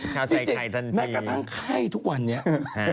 แม่กระทั้งไข้ทุกวันเนี่ย